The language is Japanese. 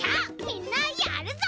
みんなやるぞ！